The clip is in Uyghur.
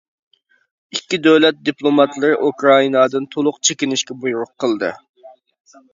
ئىككى دۆلەت دىپلوماتلىرىنى ئۇكرائىنادىن تولۇق چېكىنىشكە بۇيرۇق قىلدى.